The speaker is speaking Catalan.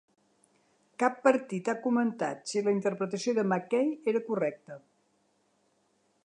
Cap partit ha comentat si la interpretació de McCay era correcta.